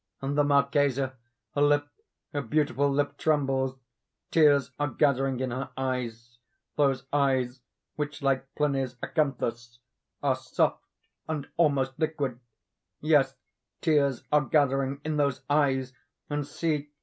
And the Marchesa! Her lip—her beautiful lip trembles; tears are gathering in her eyes—those eyes which, like Pliny's acanthus, are "soft and almost liquid." Yes! tears are gathering in those eyes—and see!